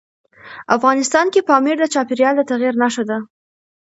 افغانستان کې پامیر د چاپېریال د تغیر نښه ده.